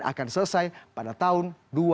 akan selesai pada tahun dua ribu dua puluh